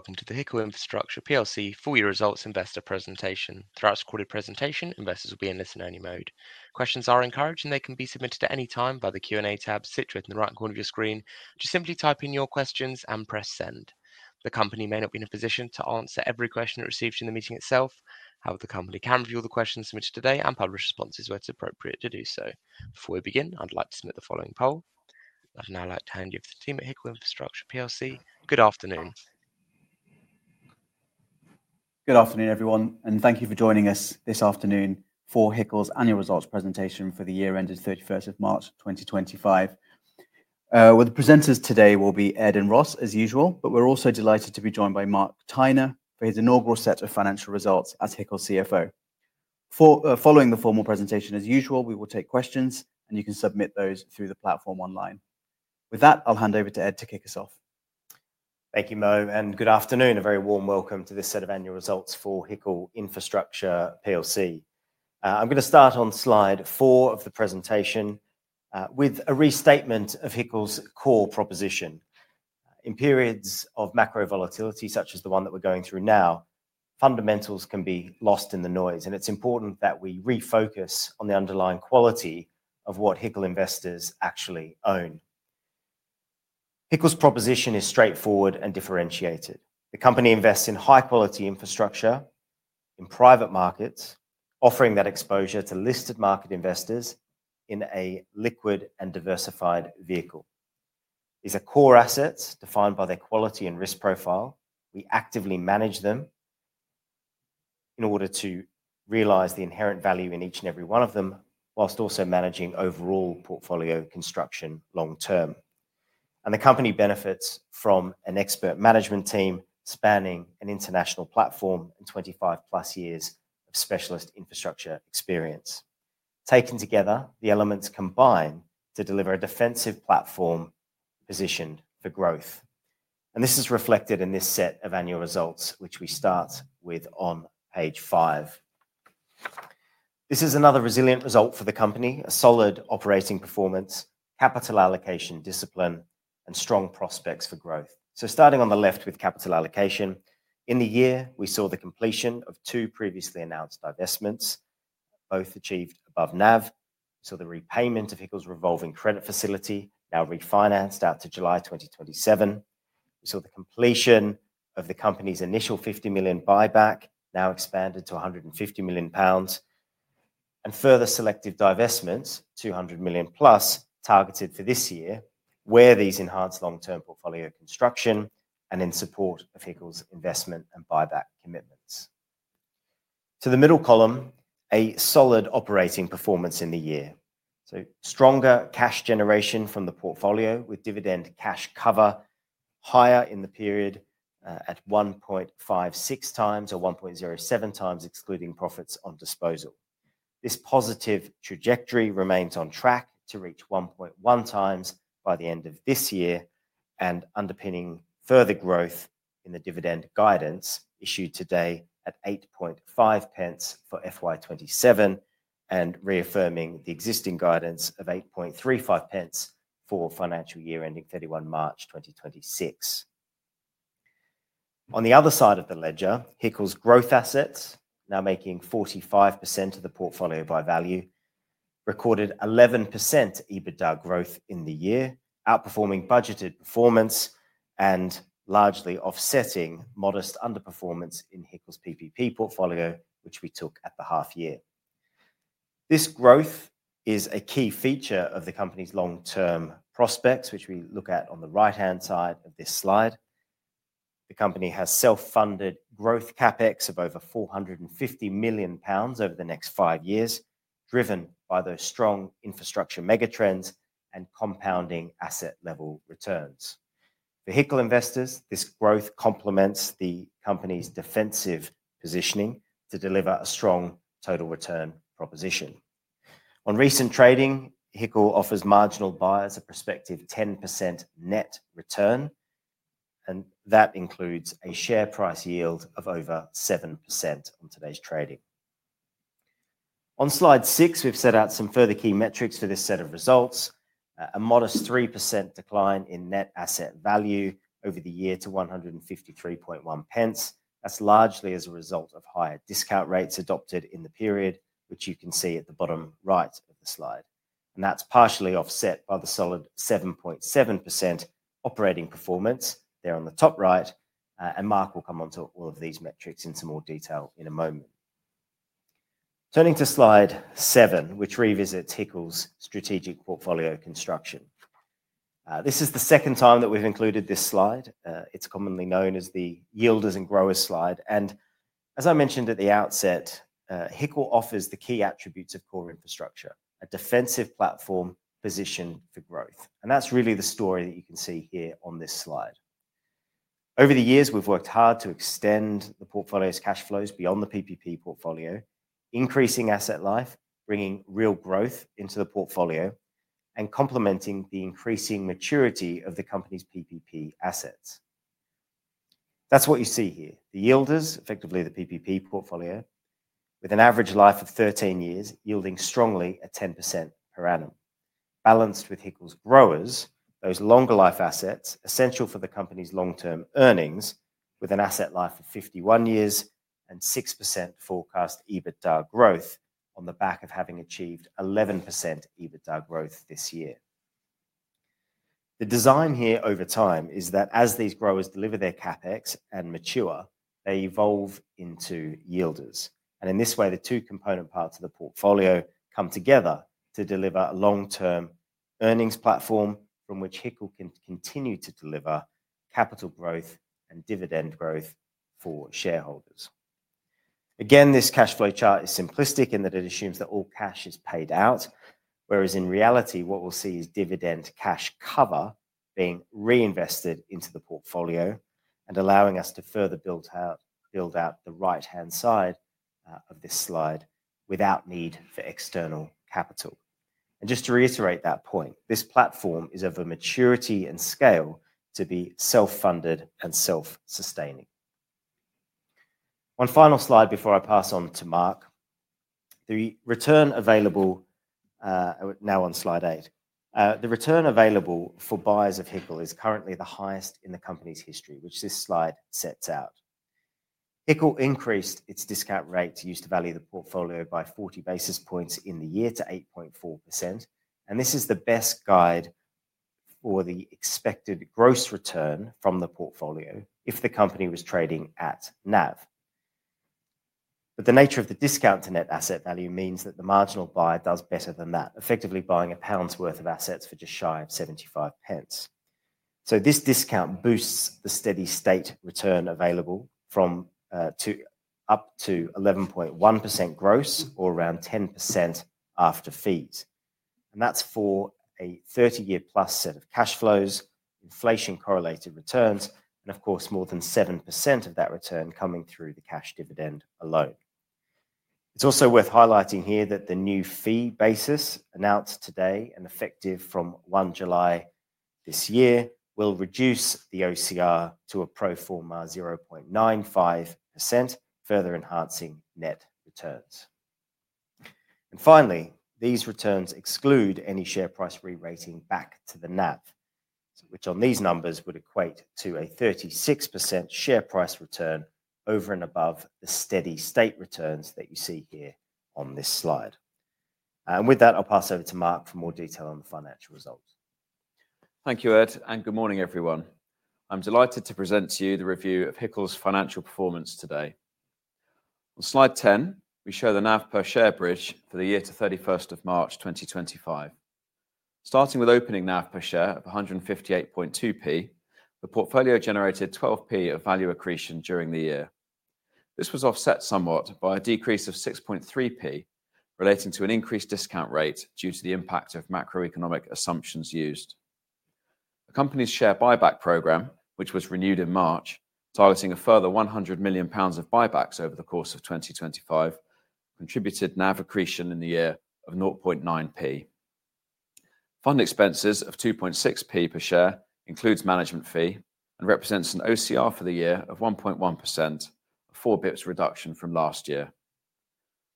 Welcome to the HICL Infrastructure PLC Four-Year Results Investor Presentation. Throughout this recorded presentation, investors will be in listen-only mode. Questions are encouraged, and they can be submitted at any time by the Q&A tab situated in the right corner of your screen. Just simply type in your questions and press send. The company may not be in a position to answer every question it receives in the meeting itself. However, the company can review all the questions submitted today and publish responses where it's appropriate to do so. Before we begin, I'd like to submit the following poll. I'd now like to hand you over to the team at HICL Infrastructure PLC. Good afternoon. Good afternoon, everyone, and thank you for joining us this afternoon for HICL's Annual Results Presentation for the year ended 31st of March 2025. The presenters today will be Ed and Ross, as usual, but we're also delighted to be joined by Mark Tiner for his inaugural set of financial results as HICL CFO. Following the formal presentation, as usual, we will take questions, and you can submit those through the platform online. With that, I'll hand over to Ed to kick us off. Thank you, Mo, and good afternoon, a very warm welcome to this set of annual results for HICL Infrastructure PLC. I'm going to start on slide four of the presentation with a restatement of HICL's core proposition. In periods of macro volatility, such as the one that we're going through now, fundamentals can be lost in the noise, and it's important that we refocus on the underlying quality of what HICL investors actually own. HICL's proposition is straightforward and differentiated. The company invests in high-quality infrastructure in private markets, offering that exposure to listed market investors in a liquid and diversified vehicle. These are core assets defined by their quality and risk profile. We actively manage them in order to realize the inherent value in each and every one of them, whilst also managing overall portfolio construction long term. The company benefits from an expert management team spanning an international platform and 25-plus years of specialist infrastructure experience. Taken together, the elements combine to deliver a defensive platform positioned for growth. This is reflected in this set of annual results, which we start with on page five. This is another resilient result for the company: a solid operating performance, capital allocation discipline, and strong prospects for growth. Starting on the left with capital allocation, in the year, we saw the completion of two previously announced divestments, both achieved above NAV. We saw the repayment of HICL's revolving credit facility, now refinanced out to July 2027. We saw the completion of the company's initial 50 million buyback, now expanded to 150 million pounds, and further selective divestments, 200 million plus, targeted for this year, where these enhance long-term portfolio construction and in support of HICL's investment and buyback commitments. To the middle column, a solid operating performance in the year. Stronger cash generation from the portfolio with dividend cash cover higher in the period at 1.56 times or 1.07 times excluding profits on disposal. This positive trajectory remains on track to reach 1.1 times by the end of this year and underpinning further growth in the dividend guidance issued today at 8.5 pence for FY 2027 and reaffirming the existing guidance of 8.35 pence for financial year ending 31 March 2026. On the other side of the ledger, HICL's growth assets, now making 45% of the portfolio by value, recorded 11% EBITDA growth in the year, outperforming budgeted performance and largely offsetting modest underperformance in HICL's PPP portfolio, which we took at the half year. This growth is a key feature of the company's long-term prospects, which we look at on the right-hand side of this slide. The company has self-funded growth CapEx of over 450 million pounds over the next five years, driven by those strong infrastructure megatrends and compounding asset-level returns. For HICL investors, this growth complements the company's defensive positioning to deliver a strong total return proposition. On recent trading, HICL offers marginal buyers a prospective 10% net return, and that includes a share price yield of over 7% on today's trading. On slide six, we've set out some further key metrics for this set of results: a modest 3% decline in net asset value over the year to 1.531. That's largely as a result of higher discount rates adopted in the period, which you can see at the bottom right of the slide. That's partially offset by the solid 7.7% operating performance there on the top right. Mark will come on to all of these metrics in some more detail in a moment. Turning to slide seven, which revisits HICL's strategic portfolio construction. This is the second time that we've included this slide. It's commonly known as the yielders and growers slide. As I mentioned at the outset, HICL offers the key attributes of core infrastructure: a defensive platform positioned for growth. That's really the story that you can see here on this slide. Over the years, we've worked hard to extend the portfolio's cash flows beyond the PPP portfolio, increasing asset life, bringing real growth into the portfolio, and complementing the increasing maturity of the company's PPP assets. That's what you see here. The yielders, effectively the PPP portfolio, with an average life of 13 years, yielding strongly at 10% per annum. Balanced with HICL's growers, those longer life assets are essential for the company's long-term earnings, with an asset life of 51 years and 6% forecast EBITDA growth on the back of having achieved 11% EBITDA growth this year. The design here over time is that as these growers deliver their capex and mature, they evolve into yielders. In this way, the two component parts of the portfolio come together to deliver a long-term earnings platform from which HICL can continue to deliver capital growth and dividend growth for shareholders. Again, this cash flow chart is simplistic in that it assumes that all cash is paid out, whereas in reality, what we'll see is dividend cash cover being reinvested into the portfolio and allowing us to further build out the right-hand side of this slide without need for external capital. Just to reiterate that point, this platform is of a maturity and scale to be self-funded and self-sustaining. One final slide before I pass on to Mark. The return available now on slide eight, the return available for buyers of HICL is currently the highest in the company's history, which this slide sets out. HICL increased its discount rate used to value the portfolio by 40 basis points in the year to 8.4%. This is the best guide for the expected gross return from the portfolio if the company was trading at NAV. The nature of the discount to net asset value means that the marginal buyer does better than that, effectively buying a pound's worth of assets for just shy of 0.75. This discount boosts the steady state return available from up to 11.1% gross or around 10% after fees. That is for a 30-year plus set of cash flows, inflation-correlated returns, and of course, more than 7% of that return coming through the cash dividend alone. It is also worth highlighting here that the new fee basis announced today and effective from 1 July this year will reduce the OCR to a pro forma 0.95%, further enhancing net returns. Finally, these returns exclude any share price re-rating back to the NAV, which on these numbers would equate to a 36% share price return over and above the steady state returns that you see here on this slide. With that, I'll pass over to Mark for more detail on the financial results. Thank you, Ed, and good morning, everyone. I'm delighted to present to you the review of HICL's financial performance today. On slide 10, we show the NAV per share bridge for the year to 31st of March 2025. Starting with opening NAV per share of 158.2p, the portfolio generated 12p of value accretion during the year. This was offset somewhat by a decrease of 6.3p relating to an increased discount rate due to the impact of macroeconomic assumptions used. The company's share buyback program, which was renewed in March, targeting a further 100 million pounds of buybacks over the course of 2025, contributed NAV accretion in the year of 0.9p. Fund expenses of 2.6p per share includes management fee and represents an OCR for the year of 1.1%, a four basis point reduction from last year.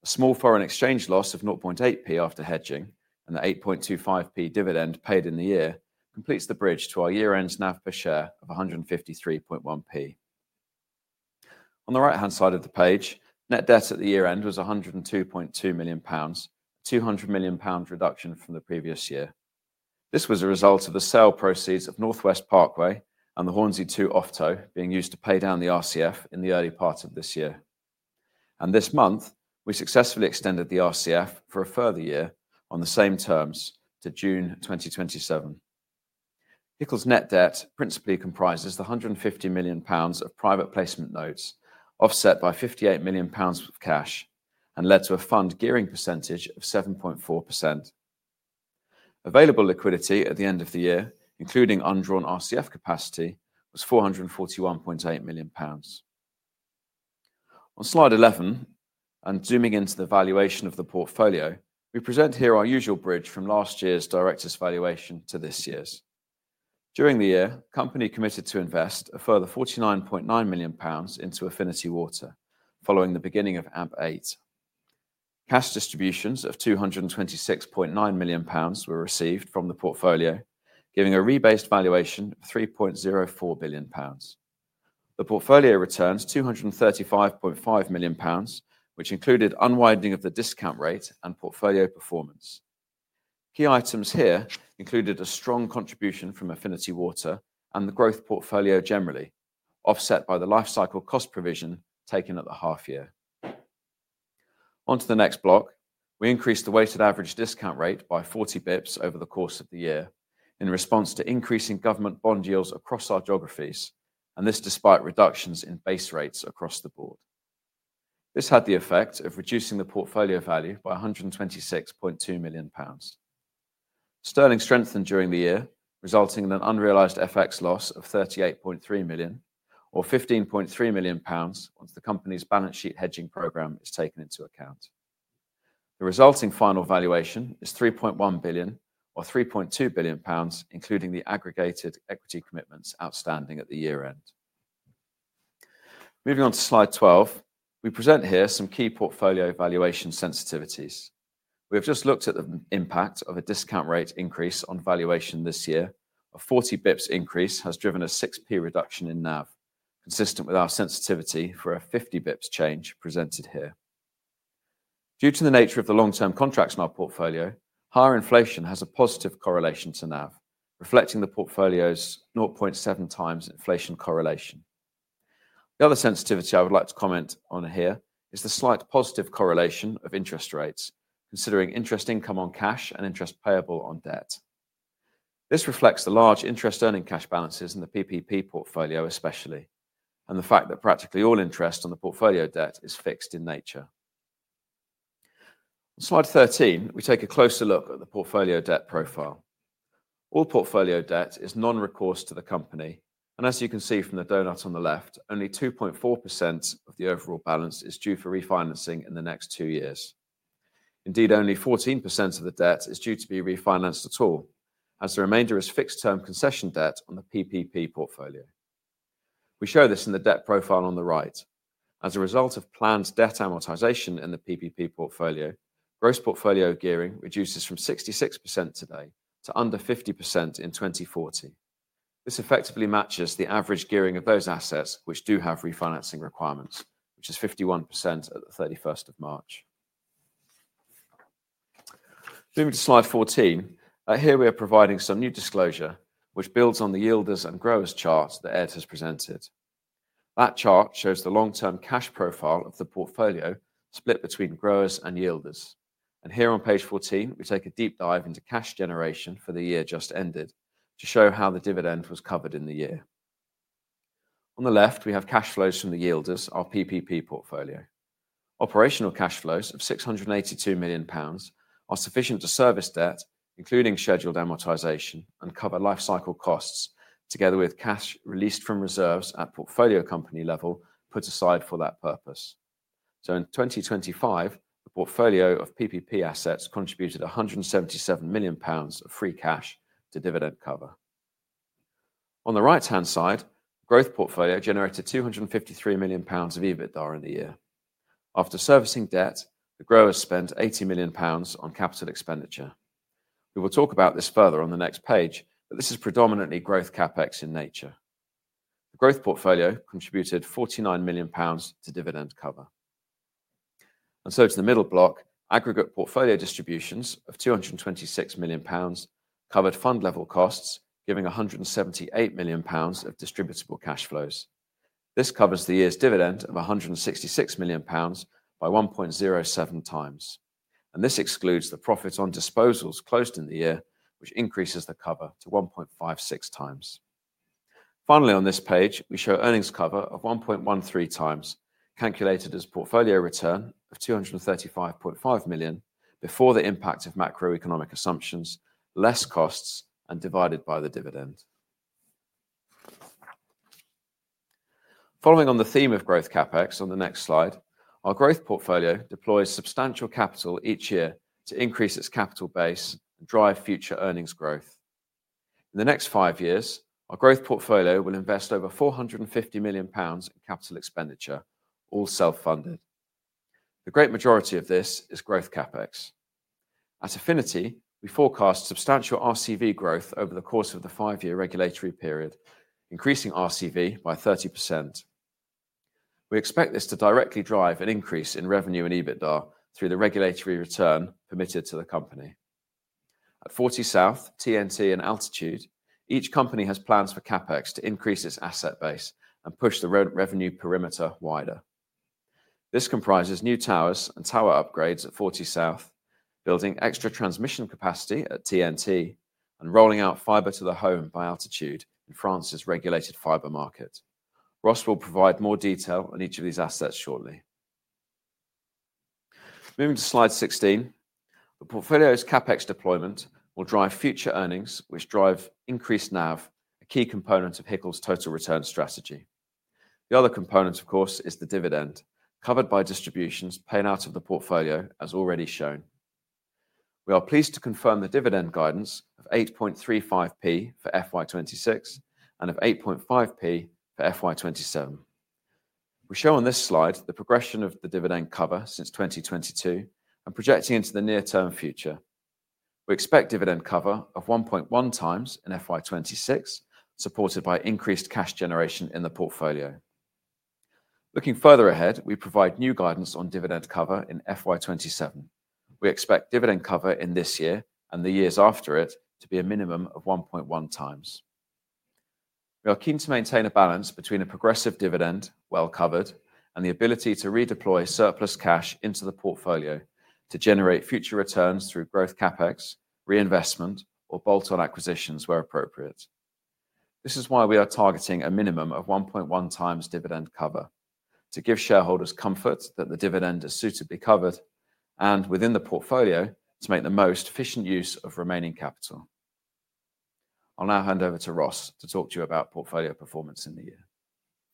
A small foreign exchange loss of 0.8p after hedging and the 8.25p dividend paid in the year completes the bridge to our year-end NAV per share of 153.1p. On the right-hand side of the page, net debt at the year-end was 102.2 million pounds, a 200 million pounds reduction from the previous year. This was a result of the sale proceeds of Northwest Parkway and the Hornsey Two Offtoe being used to pay down the RCF in the early part of this year. This month, we successfully extended the RCF for a further year on the same terms to June 2027. HICL's net debt principally comprises the 150 million pounds of private placement notes offset by 58 million pounds of cash and led to a fund gearing percentage of 7.4%. Available liquidity at the end of the year, including undrawn RCF capacity, was 441.8 million pounds. On slide 11, and zooming into the valuation of the portfolio, we present here our usual bridge from last year's director's valuation to this year's. During the year, the company committed to invest a further 49.9 million pounds into Affinity Water, following the beginning of AMP8. Cash distributions of 226.9 million pounds were received from the portfolio, giving a rebased valuation of 3.04 billion pounds. The portfolio returned 235.5 million pounds, which included unwinding of the discount rate and portfolio performance. Key items here included a strong contribution from Affinity Water and the growth portfolio generally, offset by the lifecycle cost provision taken at the half year. Onto the next block, we increased the weighted average discount rate by 40 basis points over the course of the year in response to increasing government bond yields across our geographies, and this despite reductions in base rates across the board. This had the effect of reducing the portfolio value by 126.2 million pounds. Sterling strengthened during the year, resulting in an unrealized FX loss of 38.3 million, or 15.3 million pounds once the company's balance sheet hedging program is taken into account. The resulting final valuation is 3.1 billion, or 3.2 billion pounds, including the aggregated equity commitments outstanding at the year-end. Moving on to slide 12, we present here some key portfolio valuation sensitivities. We have just looked at the impact of a discount rate increase on valuation this year. A 40 basis points increase has driven a 6p reduction in NAV, consistent with our sensitivity for a 50 basis points change presented here. Due to the nature of the long-term contracts in our portfolio, higher inflation has a positive correlation to NAV, reflecting the portfolio's 0.7 times inflation correlation. The other sensitivity I would like to comment on here is the slight positive correlation of interest rates, considering interest income on cash and interest payable on debt. This reflects the large interest-earning cash balances in the PPP portfolio especially, and the fact that practically all interest on the portfolio debt is fixed in nature. On slide 13, we take a closer look at the portfolio debt profile. All portfolio debt is non-recourse to the company, and as you can see from the donut on the left, only 2.4% of the overall balance is due for refinancing in the next two years. Indeed, only 14% of the debt is due to be refinanced at all, as the remainder is fixed-term concession debt on the PPP portfolio. We show this in the debt profile on the right. As a result of planned debt amortization in the PPP portfolio, gross portfolio gearing reduces from 66% today to under 50% in 2040. This effectively matches the average gearing of those assets which do have refinancing requirements, which is 51% at the 31st of March. Moving to slide 14, here we are providing some new disclosure, which builds on the yielders and growers chart that Ed has presented. That chart shows the long-term cash profile of the portfolio split between growers and yielders. Here on page 14, we take a deep dive into cash generation for the year just ended to show how the dividend was covered in the year. On the left, we have cash flows from the yielders, our PPP portfolio. Operational cash flows of 682 million pounds are sufficient to service debt, including scheduled amortization, and cover lifecycle costs together with cash released from reserves at portfolio company level put aside for that purpose. In 2025, the portfolio of PPP assets contributed 177 million pounds of free cash to dividend cover. On the right-hand side, growth portfolio generated 253 million pounds of EBITDA in the year. After servicing debt, the growers spent 80 million pounds on capital expenditure. We will talk about this further on the next page, but this is predominantly growth capex in nature. The growth portfolio contributed 49 million pounds to dividend cover. To the middle block, aggregate portfolio distributions of 226 million pounds covered fund-level costs, giving 178 million pounds of distributable cash flows. This covers the year's dividend of 166 million pounds by 1.07 times. This excludes the profits on disposals closed in the year, which increases the cover to 1.56 times. Finally, on this page, we show earnings cover of 1.13 times, calculated as portfolio return of 235.5 million before the impact of macroeconomic assumptions, less costs, and divided by the dividend. Following on the theme of growth CapEx on the next slide, our growth portfolio deploys substantial capital each year to increase its capital base and drive future earnings growth. In the next five years, our growth portfolio will invest over 450 million pounds in capital expenditure, all self-funded. The great majority of this is growth CapEx. At Affinity, we forecast substantial RCV growth over the course of the five-year regulatory period, increasing RCV by 30%. We expect this to directly drive an increase in revenue and EBITDA through the regulatory return permitted to the company. At Forty South, TNT, and Altitude, each company has plans for CapEx to increase its asset base and push the revenue perimeter wider. This comprises new towers and tower upgrades at Forty South, building extra transmission capacity at TNT, and rolling out fiber to the home by Altitude in France's regulated fiber market. Ross will provide more detail on each of these assets shortly. Moving to slide 16, the portfolio's CapEx deployment will drive future earnings, which drive increased NAV, a key component of HICL's total return strategy. The other component, of course, is the dividend, covered by distributions paid out of the portfolio, as already shown. We are pleased to confirm the dividend guidance of 0.0835 for FY26 and of 0.085 for FY27. We show on this slide the progression of the dividend cover since 2022 and projecting into the near-term future. We expect dividend cover of 1.1 times in FY2026, supported by increased cash generation in the portfolio. Looking further ahead, we provide new guidance on dividend cover in FY2027. We expect dividend cover in this year and the years after it to be a minimum of 1.1 times. We are keen to maintain a balance between a progressive dividend, well covered, and the ability to redeploy surplus cash into the portfolio to generate future returns through growth capex, reinvestment, or bolt-on acquisitions where appropriate. This is why we are targeting a minimum of 1.1 times dividend cover to give shareholders comfort that the dividend is suitably covered and within the portfolio to make the most efficient use of remaining capital. I'll now hand over to Ross to talk to you about portfolio performance in the year.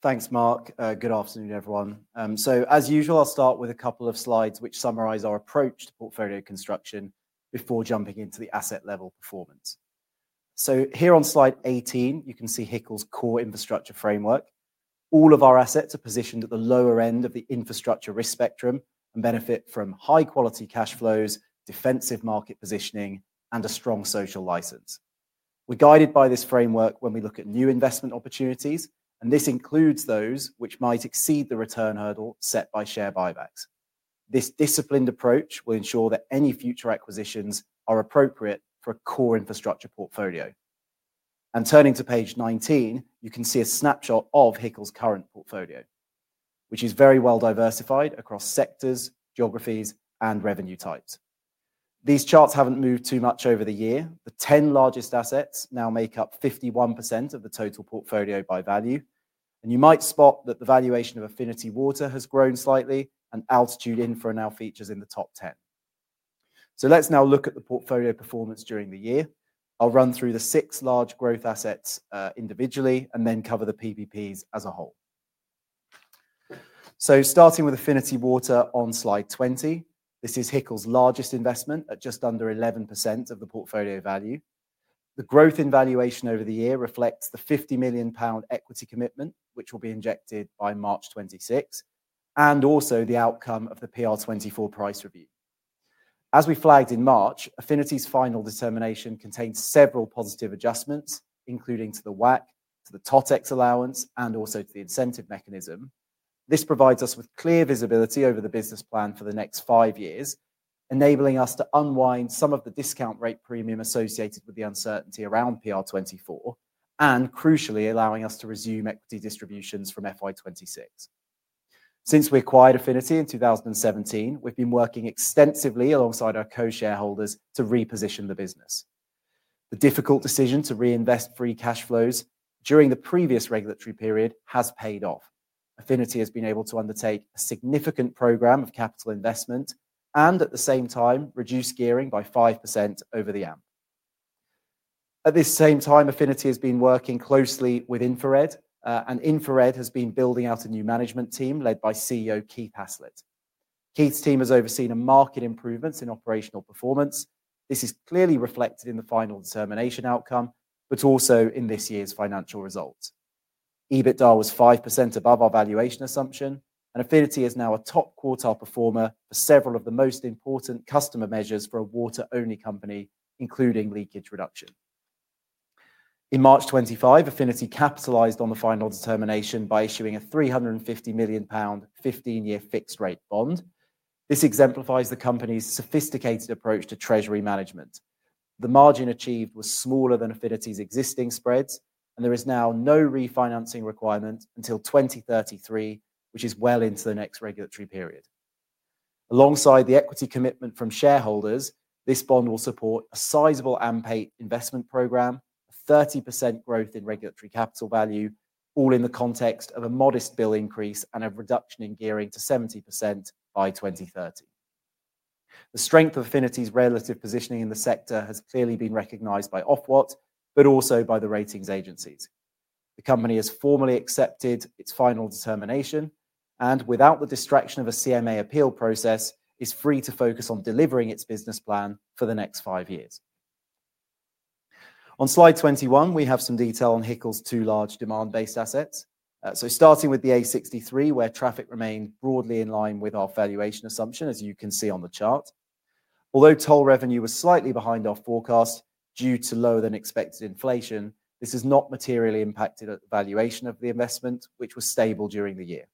Thanks, Mark. Good afternoon, everyone. As usual, I'll start with a couple of slides which summarize our approach to portfolio construction before jumping into the asset-level performance. Here on slide 18, you can see HICL's core infrastructure framework. All of our assets are positioned at the lower end of the infrastructure risk spectrum and benefit from high-quality cash flows, defensive market positioning, and a strong social license. We're guided by this framework when we look at new investment opportunities, and this includes those which might exceed the return hurdle set by share buybacks. This disciplined approach will ensure that any future acquisitions are appropriate for a core infrastructure portfolio. Turning to page 19, you can see a snapshot of HICL's current portfolio, which is very well diversified across sectors, geographies, and revenue types. These charts haven't moved too much over the year. The 10 largest assets now make up 51% of the total portfolio by value. You might spot that the valuation of Affinity Water has grown slightly, and Altitude Infrastructure now features in the top 10. Let's now look at the portfolio performance during the year. I'll run through the six large growth assets individually and then cover the PPPs as a whole. Starting with Affinity Water on slide 20, this is HICL's largest investment at just under 11% of the portfolio value. The growth in valuation over the year reflects the 50 million pound equity commitment, which will be injected by March 2026, and also the outcome of the PR24 price review. As we flagged in March, Affinity's final determination contains several positive adjustments, including to the WACC, to the TOTEX allowance, and also to the incentive mechanism. This provides us with clear visibility over the business plan for the next five years, enabling us to unwind some of the discount rate premium associated with the uncertainty around PR24, and crucially, allowing us to resume equity distributions from FY26. Since we acquired Affinity Water in 2017, we've been working extensively alongside our co-shareholders to reposition the business. The difficult decision to reinvest free cash flows during the previous regulatory period has paid off. Affinity Water has been able to undertake a significant program of capital investment and, at the same time, reduce gearing by 5% over the AMP. At this same time, Affinity Water has been working closely with InfraRed, and InfraRed has been building out a new management team led by CEO Keith Haslett. Keith's team has overseen a marked improvement in operational performance. This is clearly reflected in the final determination outcome, but also in this year's financial results. EBITDA was 5% above our valuation assumption, and Affinity is now a top quartile performer for several of the most important customer measures for a water-only company, including leakage reduction. In March 2025, Affinity capitalized on the final determination by issuing a 350 million pound 15-year fixed-rate bond. This exemplifies the company's sophisticated approach to treasury management. The margin achieved was smaller than Affinity's existing spreads, and there is now no refinancing requirement until 2033, which is well into the next regulatory period. Alongside the equity commitment from shareholders, this bond will support a sizable AMP8 investment program, a 30% growth in regulatory capital value, all in the context of a modest bill increase and a reduction in gearing to 70% by 2030. The strength of Affinity's relative positioning in the sector has clearly been recognized by Ofwat, but also by the ratings agencies. The company has formally accepted its final determination and, without the distraction of a CMA appeal process, is free to focus on delivering its business plan for the next five years. On slide 21, we have some detail on HICL's two large demand-based assets. Starting with the A63, where traffic remained broadly in line with our valuation assumption, as you can see on the chart. Although toll revenue was slightly behind our forecast due to lower-than-expected inflation, this has not materially impacted the valuation of the investment, which was stable during the year.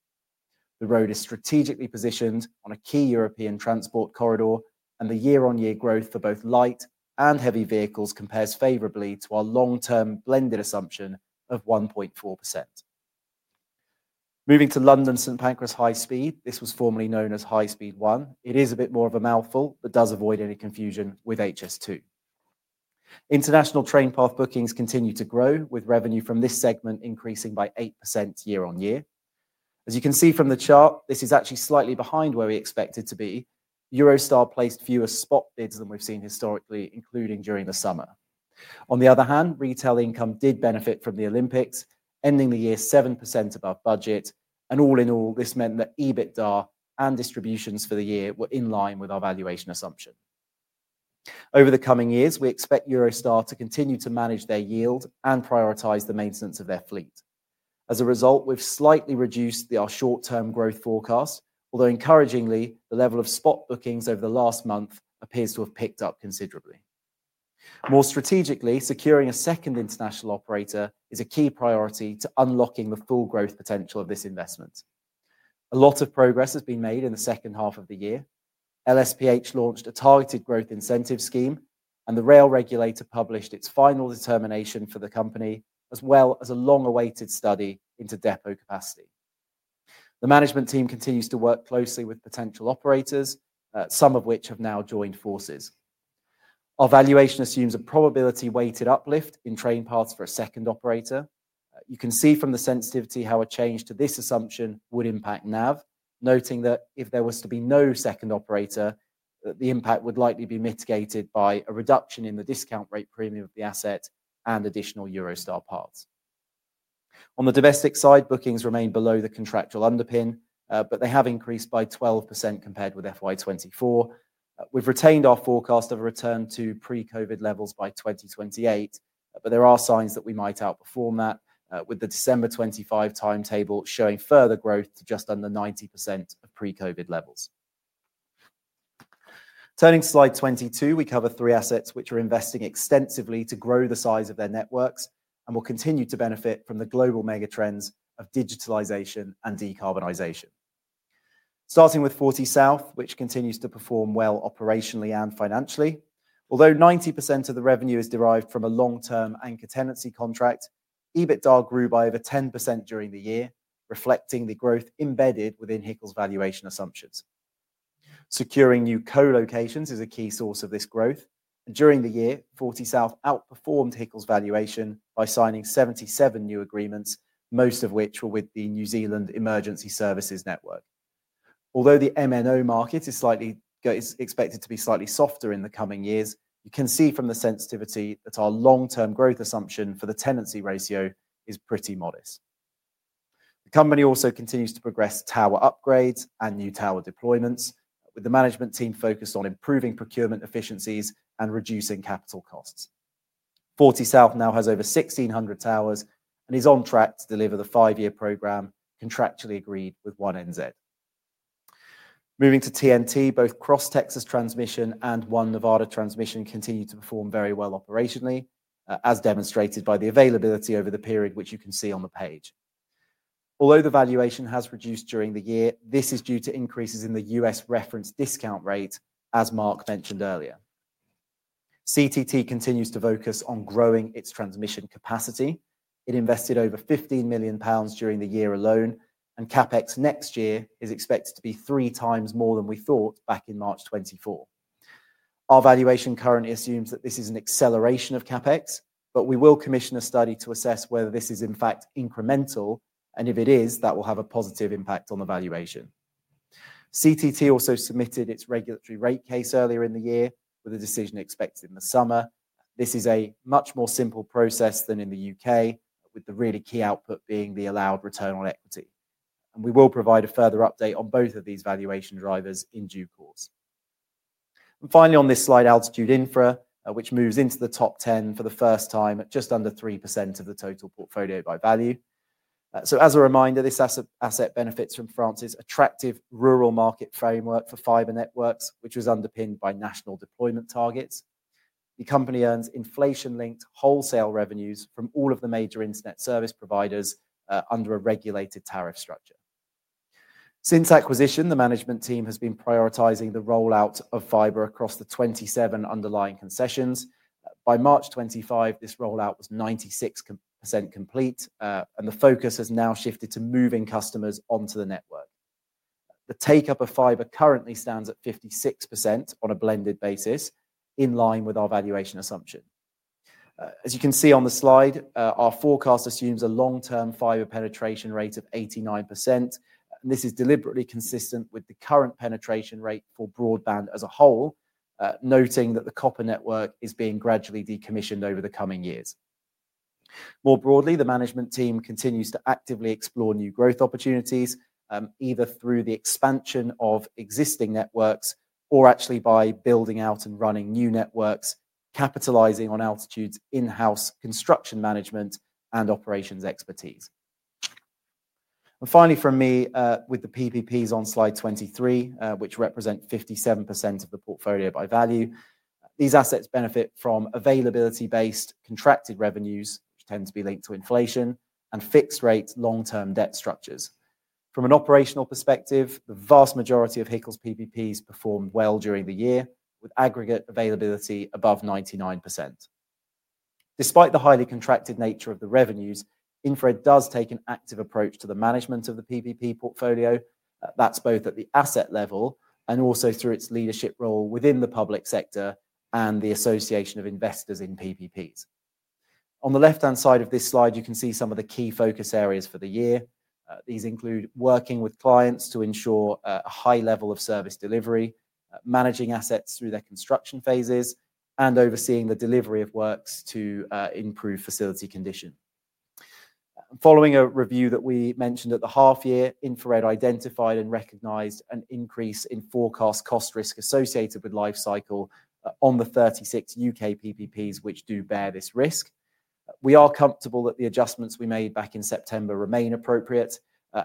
The road is strategically positioned on a key European transport corridor, and the year-on-year growth for both light and heavy vehicles compares favorably to our long-term blended assumption of 1.4%. Moving to London St. Pancras High Speed, this was formerly known as High Speed 1. It is a bit more of a mouthful, but does avoid any confusion with HS2. International train path bookings continue to grow, with revenue from this segment increasing by 8% year-on-year. As you can see from the chart, this is actually slightly behind where we expected to be. Eurostar placed fewer spot bids than we've seen historically, including during the summer. On the other hand, retail income did benefit from the Olympics, ending the year 7% above budget, and all in all, this meant that EBITDA and distributions for the year were in line with our valuation assumption. Over the coming years, we expect Eurostar to continue to manage their yield and prioritize the maintenance of their fleet. As a result, we've slightly reduced our short-term growth forecast, although encouragingly, the level of spot bookings over the last month appears to have picked up considerably. More strategically, securing a second international operator is a key priority to unlocking the full growth potential of this investment. A lot of progress has been made in the second half of the year. LSPH launched a targeted growth incentive scheme, and the rail regulator published its final determination for the company, as well as a long-awaited study into depot capacity. The management team continues to work closely with potential operators, some of which have now joined forces. Our valuation assumes a probability-weighted uplift in train paths for a second operator. You can see from the sensitivity how a change to this assumption would impact NAV, noting that if there was to be no second operator, the impact would likely be mitigated by a reduction in the discount rate premium of the asset and additional Eurostar parts. On the domestic side, bookings remain below the contractual underpin, but they have increased by 12% compared with FY2024. We've retained our forecast of a return to pre-COVID levels by 2028, but there are signs that we might outperform that, with the December 25 timetable showing further growth to just under 90% of pre-COVID levels. Turning to slide 22, we cover three assets which are investing extensively to grow the size of their networks and will continue to benefit from the global megatrends of digitalization and decarbonization. Starting with Forty South, which continues to perform well operationally and financially. Although 90% of the revenue is derived from a long-term anchor tenancy contract, EBITDA grew by over 10% during the year, reflecting the growth embedded within HICL's valuation assumptions. Securing new co-locations is a key source of this growth. During the year, Forty South outperformed HICL's valuation by signing 77 new agreements, most of which were with the New Zealand Emergency Services Network. Although the MNO market is expected to be slightly softer in the coming years, you can see from the sensitivity that our long-term growth assumption for the tenancy ratio is pretty modest. The company also continues to progress tower upgrades and new tower deployments, with the management team focused on improving procurement efficiencies and reducing capital costs. Forty South now has over 1,600 towers and is on track to deliver the five-year program contractually agreed with 1NZ. Moving to TNT, both Cross Texas Transmission and One Nevada Transmission continue to perform very well operationally, as demonstrated by the availability over the period, which you can see on the page. Although the valuation has reduced during the year, this is due to increases in the U.S. reference discount rate, as Mark mentioned earlier. CTT continues to focus on growing its transmission capacity. It invested over 15 million pounds during the year alone, and capex next year is expected to be three times more than we thought back in March 2024. Our valuation currently assumes that this is an acceleration of capex, but we will commission a study to assess whether this is, in fact, incremental, and if it is, that will have a positive impact on the valuation. CTT also submitted its regulatory rate case earlier in the year, with a decision expected in the summer. This is a much more simple process than in the U.K., with the really key output being the allowed return on equity. We will provide a further update on both of these valuation drivers in due course. Finally, on this slide, Altitude Infrastructure, which moves into the top 10 for the first time at just under 3% of the total portfolio by value. As a reminder, this asset benefits from France's attractive rural market framework for fiber networks, which was underpinned by national deployment targets. The company earns inflation-linked wholesale revenues from all of the major internet service providers under a regulated tariff structure. Since acquisition, the management team has been prioritizing the rollout of fiber across the 27 underlying concessions. By March 2025, this rollout was 96% complete, and the focus has now shifted to moving customers onto the network. The take-up of fiber currently stands at 56% on a blended basis, in line with our valuation assumption. As you can see on the slide, our forecast assumes a long-term fiber penetration rate of 89%, and this is deliberately consistent with the current penetration rate for broadband as a whole, noting that the copper network is being gradually decommissioned over the coming years. More broadly, the management team continues to actively explore new growth opportunities, either through the expansion of existing networks or actually by building out and running new networks, capitalizing on Altitude Infra's in-house construction management and operations expertise. Finally, from me, with the PPPs on slide 23, which represent 57% of the portfolio by value, these assets benefit from availability-based contracted revenues, which tend to be linked to inflation and fixed-rate long-term debt structures. From an operational perspective, the vast majority of HICL's PPPs performed well during the year, with aggregate availability above 99%. Despite the highly contracted nature of the revenues, InfraRed does take an active approach to the management of the PPP portfolio. That's both at the asset level and also through its leadership role within the public sector and the association of investors in PPPs. On the left-hand side of this slide, you can see some of the key focus areas for the year. These include working with clients to ensure a high level of service delivery, managing assets through their construction phases, and overseeing the delivery of works to improve facility condition. Following a review that we mentioned at the half-year, InfraRed identified and recognized an increase in forecast cost risk associated with lifecycle on the 36 UK PPPs, which do bear this risk. We are comfortable that the adjustments we made back in September remain appropriate,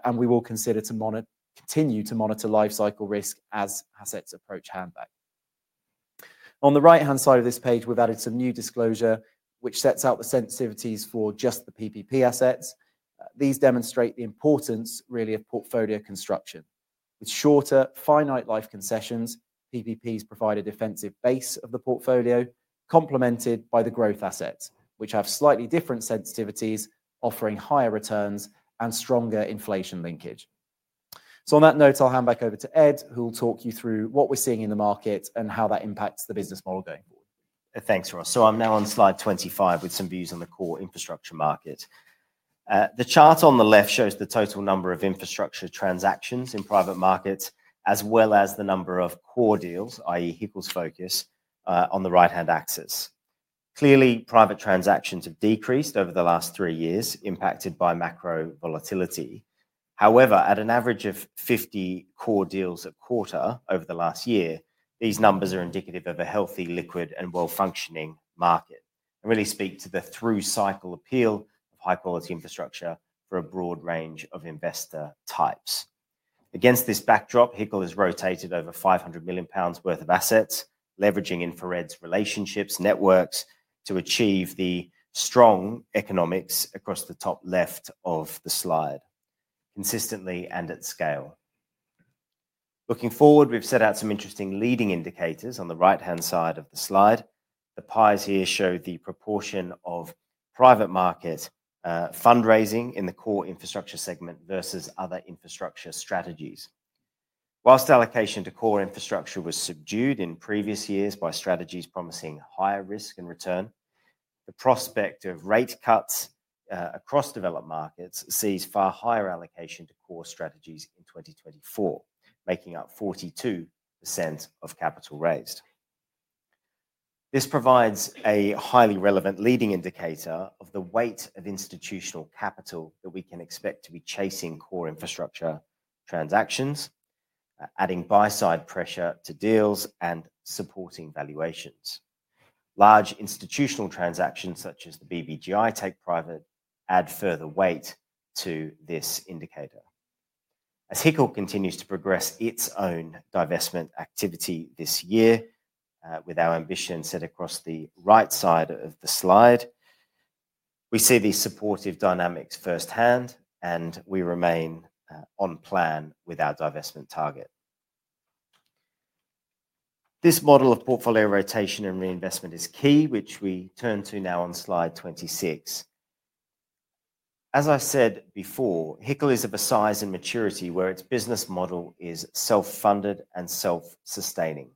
and we will continue to monitor lifecycle risk as assets approach handback. On the right-hand side of this page, we've added some new disclosure, which sets out the sensitivities for just the PPP assets. These demonstrate the importance, really, of portfolio construction. With shorter, finite-life concessions, PPPs provide a defensive base of the portfolio, complemented by the growth assets, which have slightly different sensitivities, offering higher returns and stronger inflation linkage. On that note, I'll hand back over to Ed, who will talk you through what we're seeing in the market and how that impacts the business model going forward. Thanks, Ross. I'm now on slide 25 with some views on the core infrastructure market. The chart on the left shows the total number of infrastructure transactions in private markets, as well as the number of core deals, i.e., HICL's focus, on the right-hand axis. Clearly, private transactions have decreased over the last three years, impacted by macro volatility. However, at an average of 50 core deals a quarter over the last year, these numbers are indicative of a healthy, liquid, and well-functioning market and really speak to the through-cycle appeal of high-quality infrastructure for a broad range of investor types. Against this backdrop, HICL has rotated over 500 million pounds worth of assets, leveraging InfraRed's relationships, networks to achieve the strong economics across the top left of the slide, consistently and at scale. Looking forward, we've set out some interesting leading indicators on the right-hand side of the slide. The pies here show the proportion of private market fundraising in the core infrastructure segment versus other infrastructure strategies. Whilst allocation to core infrastructure was subdued in previous years by strategies promising higher risk and return, the prospect of rate cuts across developed markets sees far higher allocation to core strategies in 2024, making up 42% of capital raised. This provides a highly relevant leading indicator of the weight of institutional capital that we can expect to be chasing core infrastructure transactions, adding buy-side pressure to deals and supporting valuations. Large institutional transactions, such as the BBGI take private, add further weight to this indicator. As HICL continues to progress its own divestment activity this year, with our ambition set across the right side of the slide, we see these supportive dynamics firsthand, and we remain on plan with our divestment target. This model of portfolio rotation and reinvestment is key, which we turn to now on slide 26. As I said before, HICL is of a size and maturity where its business model is self-funded and self-sustaining.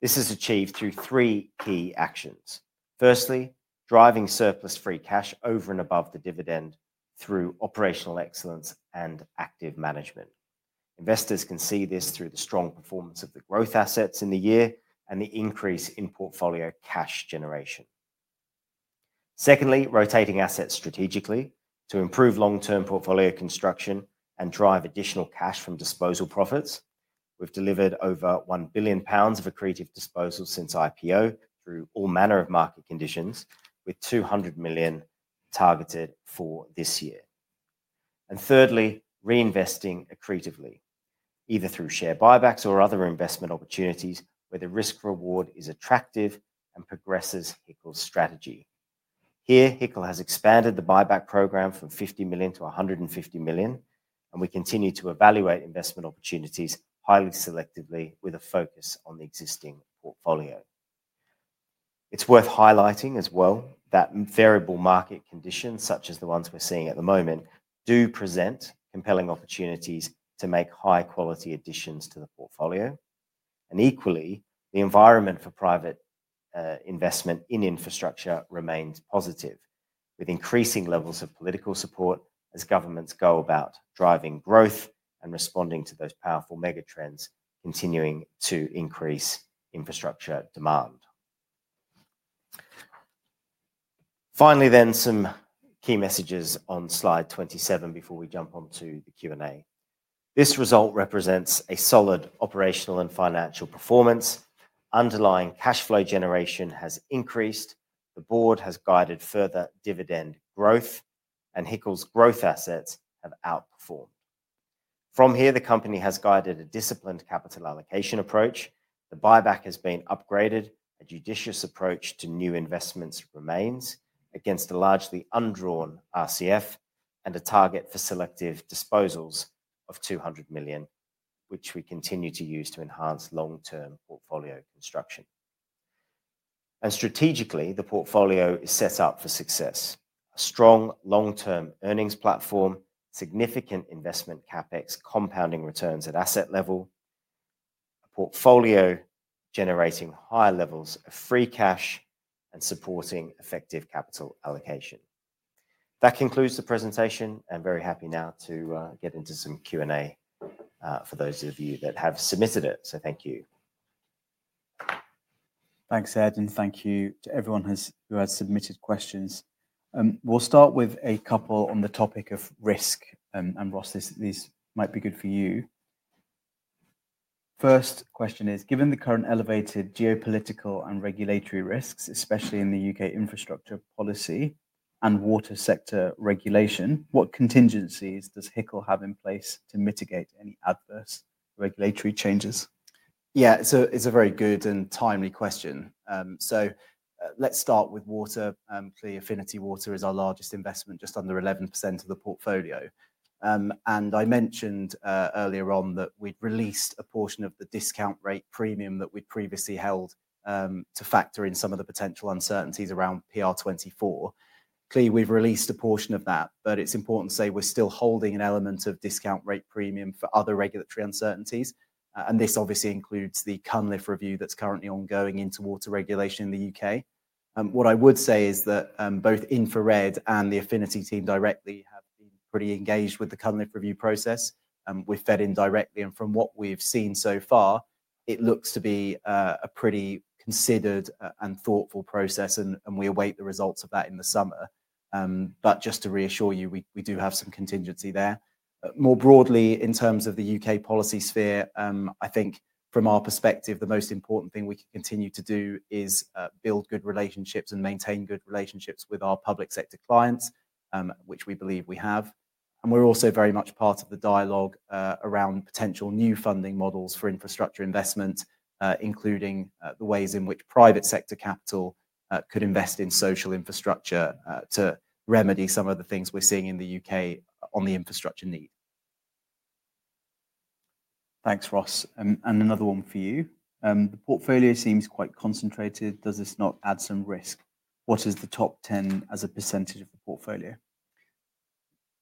This is achieved through three key actions. Firstly, driving surplus free cash over and above the dividend through operational excellence and active management. Investors can see this through the strong performance of the growth assets in the year and the increase in portfolio cash generation. Secondly, rotating assets strategically to improve long-term portfolio construction and drive additional cash from disposal profits. We've delivered over 1 billion pounds of accretive disposal since IPO through all manner of market conditions, with 200 million targeted for this year. Thirdly, reinvesting accretively, either through share buybacks or other investment opportunities where the risk-reward is attractive and progresses HICL's strategy. Here, HICL has expanded the buyback program from 50 million to 150 million, and we continue to evaluate investment opportunities highly selectively with a focus on the existing portfolio. It is worth highlighting as well that variable market conditions, such as the ones we are seeing at the moment, do present compelling opportunities to make high-quality additions to the portfolio. Equally, the environment for private investment in infrastructure remains positive, with increasing levels of political support as governments go about driving growth and responding to those powerful megatrends continuing to increase infrastructure demand. Finally, some key messages on slide 27 before we jump on to the Q&A. This result represents a solid operational and financial performance. Underlying cash flow generation has increased. The board has guided further dividend growth, and HICL's growth assets have outperformed. From here, the company has guided a disciplined capital allocation approach. The buyback has been upgraded. A judicious approach to new investments remains against a largely undrawn RCF and a target for selective disposals of 200 million, which we continue to use to enhance long-term portfolio construction. Strategically, the portfolio is set up for success: a strong long-term earnings platform, significant investment CapEx, compounding returns at asset level, a portfolio generating high levels of free cash, and supporting effective capital allocation. That concludes the presentation, and I'm very happy now to get into some Q&A for those of you that have submitted it. Thank you. Thanks, Ed, and thank you to everyone who has submitted questions. We'll start with a couple on the topic of risk, and Ross, these might be good for you. First question is, given the current elevated geopolitical and regulatory risks, especially in the U.K. infrastructure policy and water sector regulation, what contingencies does HICL have in place to mitigate any adverse regulatory changes? Yeah, it's a very good and timely question. Let's start with water. Clearly, Affinity Water is our largest investment, just under 11% of the portfolio. I mentioned earlier on that we'd released a portion of the discount rate premium that we'd previously held to factor in some of the potential uncertainties around PR24. Clearly, we've released a portion of that, but it's important to say we're still holding an element of discount rate premium for other regulatory uncertainties. This obviously includes the CUNLIF review that's currently ongoing into water regulation in the U.K. What I would say is that both InfraRed and the Affinity team directly have been pretty engaged with the CUNLIF review process. We've fed in directly, and from what we've seen so far, it looks to be a pretty considered and thoughtful process. We await the results of that in the summer. Just to reassure you, we do have some contingency there. More broadly, in terms of the U.K. policy sphere, I think from our perspective, the most important thing we can continue to do is build good relationships and maintain good relationships with our public sector clients, which we believe we have. We're also very much part of the dialogue around potential new funding models for infrastructure investment, including the ways in which private sector capital could invest in social infrastructure to remedy some of the things we're seeing in the U.K. on the infrastructure need. Thanks, Ross. Another one for you. The portfolio seems quite concentrated. Does this not add some risk? What is the top 10 as a percentage of the portfolio?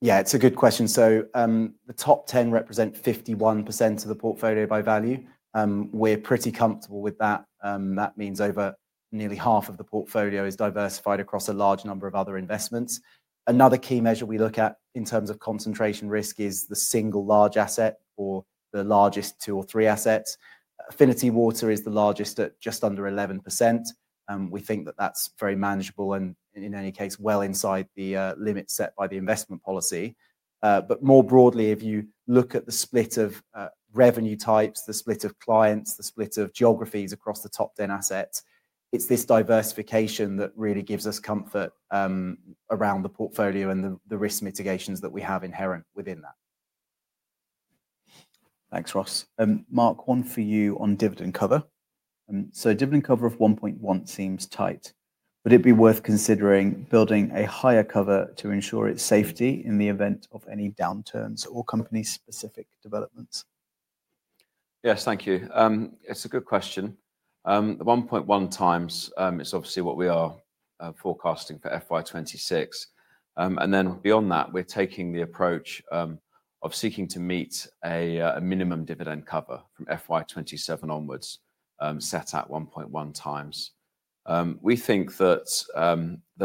Yeah, it's a good question. The top 10 represent 51% of the portfolio by value. We're pretty comfortable with that. That means over nearly half of the portfolio is diversified across a large number of other investments. Another key measure we look at in terms of concentration risk is the single large asset or the largest two or three assets. Affinity Water is the largest at just under 11%. We think that that's very manageable and, in any case, well inside the limits set by the investment policy. More broadly, if you look at the split of revenue types, the split of clients, the split of geographies across the top 10 assets, it's this diversification that really gives us comfort around the portfolio and the risk mitigations that we have inherent within that. Thanks, Ross. Mark, one for you on dividend cover. Dividend cover of 1.1 seems tight. Would it be worth considering building a higher cover to ensure its safety in the event of any downturns or company-specific developments? Yes, thank you. It's a good question. The 1.1 times, it's obviously what we are forecasting for FY2026. Beyond that, we're taking the approach of seeking to meet a minimum dividend cover from FY2027 onwards, set at 1.1 times. We think that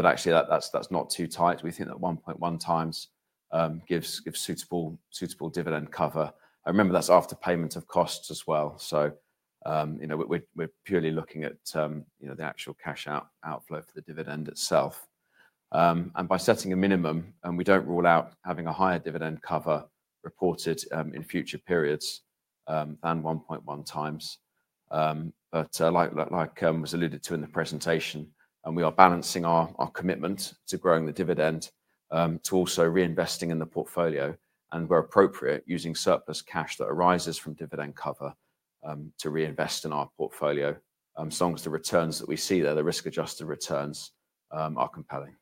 actually that's not too tight. We think that 1.1 times gives suitable dividend cover. I remember that's after payment of costs as well. We're purely looking at the actual cash outflow for the dividend itself. By setting a minimum, we do not rule out having a higher dividend cover reported in future periods than 1.1 times. Like was alluded to in the presentation, we are balancing our commitment to growing the dividend to also reinvesting in the portfolio. Where appropriate, we are using surplus cash that arises from dividend cover to reinvest in our portfolio so long as the returns that we see there, the risk-adjusted returns, are compelling.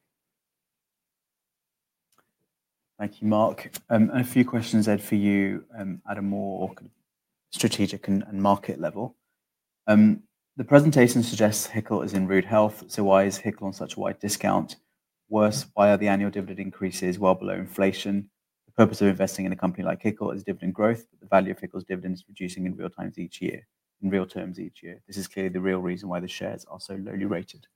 Thank you, Mark. A few questions, Ed, for you at a more strategic and market level. The presentation suggests HICL is in rude health. Why is HICL on such a wide discount? Worse, why are the annual dividend increases well below inflation? The purpose of investing in a company like HICL is dividend growth, but the value of HICL's dividend is reducing in real terms each year. This is clearly the real reason why the shares are so lowly rated.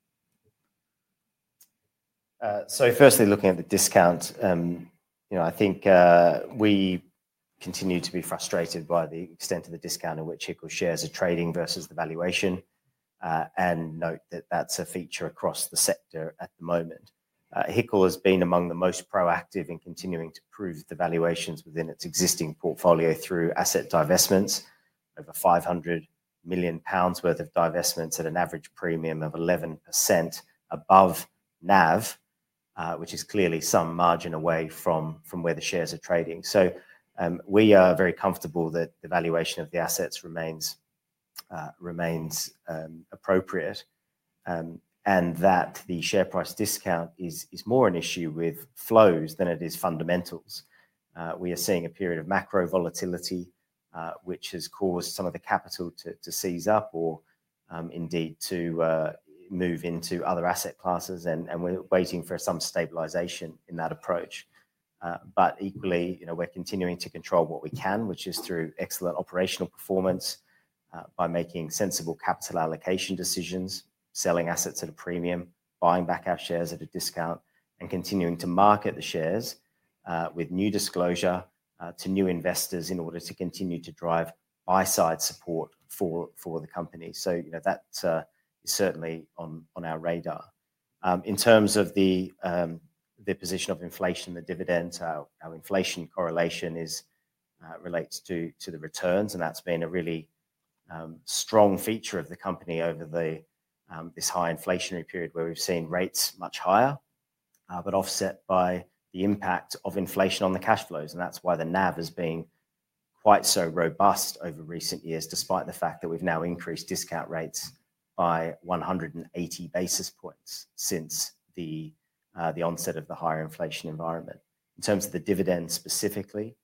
Firstly, looking at the discount, I think we continue to be frustrated by the extent of the discount at which HICL shares are trading versus the valuation. Note that that's a feature across the sector at the moment. HICL has been among the most proactive in continuing to prove the valuations within its existing portfolio through asset divestments, over 500 million pounds worth of divestments at an average premium of 11% above NAV, which is clearly some margin away from where the shares are trading. We are very comfortable that the valuation of the assets remains appropriate and that the share price discount is more an issue with flows than it is fundamentals. We are seeing a period of macro volatility, which has caused some of the capital to seize up or indeed to move into other asset classes. We are waiting for some stabilization in that approach. Equally, we are continuing to control what we can, which is through excellent operational performance by making sensible capital allocation decisions, selling assets at a premium, buying back our shares at a discount, and continuing to market the shares with new disclosure to new investors in order to continue to drive buy-side support for the company. That is certainly on our radar. In terms of the position of inflation, the dividends, our inflation correlation relates to the returns, and that's been a really strong feature of the company over this high inflationary period where we've seen rates much higher, but offset by the impact of inflation on the cash flows. That's why the NAV has been quite so robust over recent years, despite the fact that we've now increased discount rates by 180 basis points since the onset of the higher inflation environment. In terms of the dividends specifically,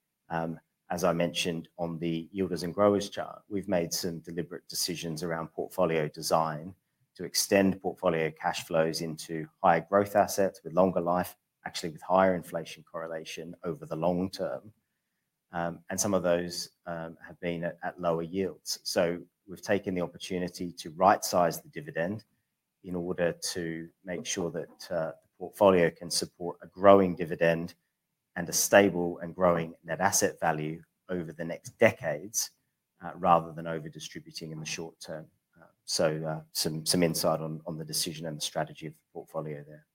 as I mentioned on the yielders and growers chart, we've made some deliberate decisions around portfolio design to extend portfolio cash flows into higher growth assets with longer life, actually with higher inflation correlation over the long term. Some of those have been at lower yields. We have taken the opportunity to right-size the dividend in order to make sure that the portfolio can support a growing dividend and a stable and growing net asset value over the next decades rather than overdistributing in the short term. Some insight on the decision and the strategy of the portfolio there.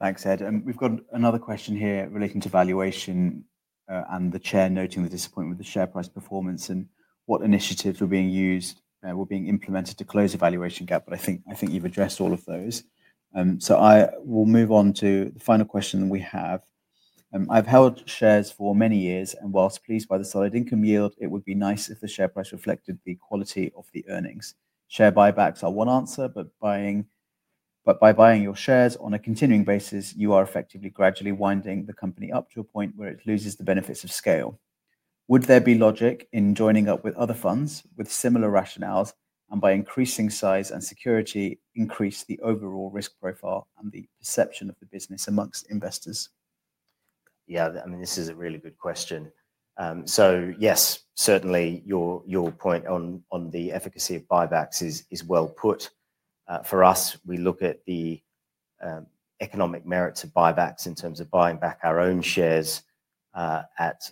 Thanks, Ed. We have another question here relating to valuation and the chair noting the disappointment with the share price performance and what initiatives were being used, were being implemented to close the valuation gap. I think you have addressed all of those. I will move on to the final question that we have. I have held shares for many years, and whilst pleased by the solid income yield, it would be nice if the share price reflected the quality of the earnings. Share buybacks are one answer, but by buying your shares on a continuing basis, you are effectively gradually winding the company up to a point where it loses the benefits of scale. Would there be logic in joining up with other funds with similar rationales and by increasing size and security increase the overall risk profile and the perception of the business amongst investors? Yeah, I mean, this is a really good question. Yes, certainly your point on the efficacy of buybacks is well put. For us, we look at the economic merits of buybacks in terms of buying back our own shares at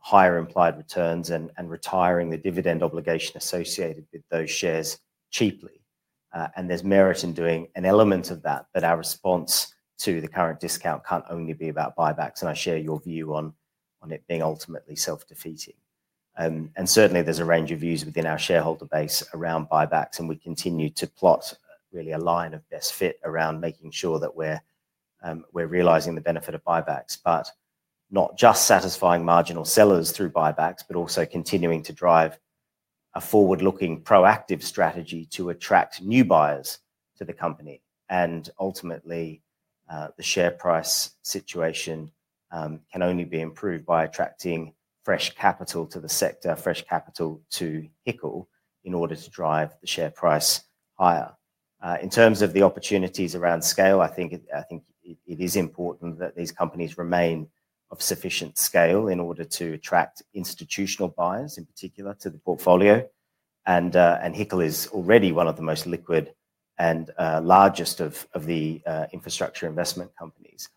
higher implied returns and retiring the dividend obligation associated with those shares cheaply. There is merit in doing an element of that, but our response to the current discount cannot only be about buybacks. I share your view on it being ultimately self-defeating. Certainly, there's a range of views within our shareholder base around buybacks, and we continue to plot really a line of best fit around making sure that we're realizing the benefit of buybacks, but not just satisfying marginal sellers through buybacks, but also continuing to drive a forward-looking proactive strategy to attract new buyers to the company. Ultimately, the share price situation can only be improved by attracting fresh capital to the sector, fresh capital to HICL in order to drive the share price higher. In terms of the opportunities around scale, I think it is important that these companies remain of sufficient scale in order to attract institutional buyers in particular to the portfolio. HICL is already one of the most liquid and largest of the infrastructure investment companies.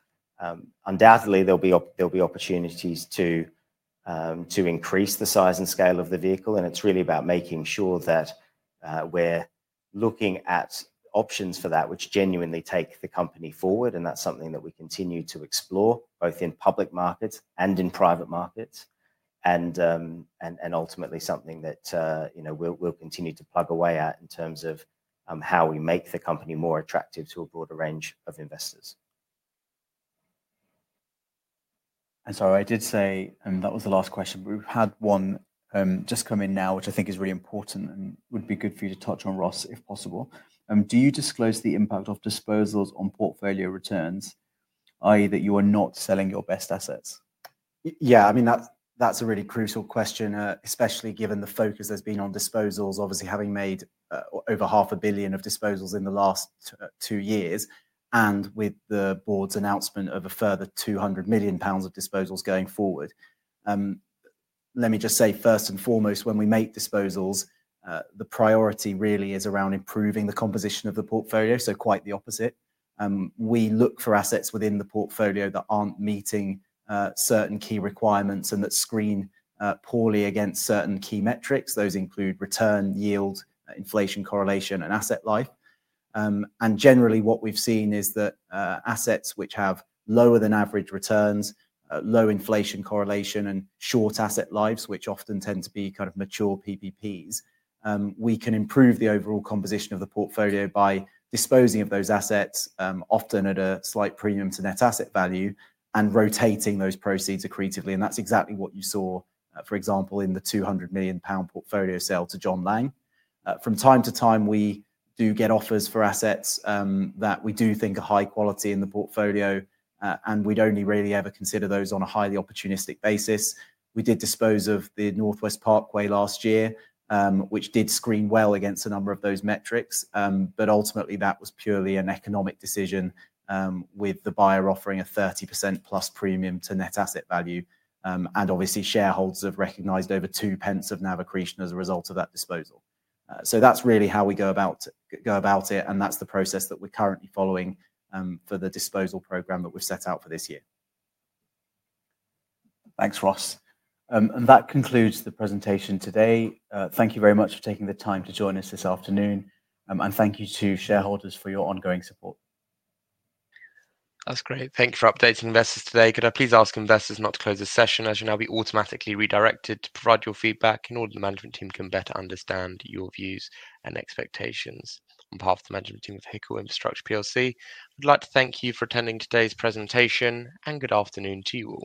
Undoubtedly, there'll be opportunities to increase the size and scale of the vehicle. It is really about making sure that we are looking at options for that which genuinely take the company forward. That is something that we continue to explore both in public markets and in private markets. Ultimately, something that we will continue to plug away at in terms of how we make the company more attractive to a broader range of investors. Sorry, I did say that was the last question, but we have had one just come in now, which I think is really important and would be good for you to touch on, Ross, if possible. Do you disclose the impact of disposals on portfolio returns, i.e., that you are not selling your best assets? Yeah, I mean, that's a really crucial question, especially given the focus that's been on disposals, obviously having made over $500,000,000 of disposals in the last two years and with the board's announcement of a further 200 million pounds of disposals going forward. Let me just say, first and foremost, when we make disposals, the priority really is around improving the composition of the portfolio, so quite the opposite. We look for assets within the portfolio that aren't meeting certain key requirements and that screen poorly against certain key metrics. Those include return, yield, inflation correlation, and asset life. Generally, what we've seen is that assets which have lower than average returns, low inflation correlation, and short asset lives, which often tend to be kind of mature PPPs, we can improve the overall composition of the portfolio by disposing of those assets often at a slight premium to net asset value and rotating those proceeds accretively. That's exactly what you saw, for example, in the 200 million pound portfolio sale to John Laing. From time to time, we do get offers for assets that we do think are high quality in the portfolio, and we'd only really ever consider those on a highly opportunistic basis. We did dispose of the Northwest Parkway last year, which did screen well against a number of those metrics. Ultimately, that was purely an economic decision with the buyer offering a 30% plus premium to net asset value. Obviously, shareholders have recognized over 2 pence of NAV accretion as a result of that disposal. That is really how we go about it. That is the process that we are currently following for the disposal program that we have set out for this year. Thanks, Ross. That concludes the presentation today. Thank you very much for taking the time to join us this afternoon. Thank you to shareholders for your ongoing support. That is great. Thank you for updating investors today. Could I please ask investors not to close the session as you will now be automatically redirected to provide your feedback in order that the management team can better understand your views and expectations? On behalf of the management team of HICL Infrastructure PLC, I would like to thank you for attending today's presentation and good afternoon to you all.